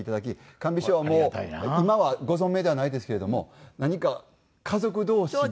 寛美師匠はもう今はご存命ではないですけれども何か家族同士で。